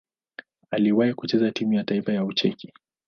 Aliwahi kucheza timu ya taifa ya Ucheki.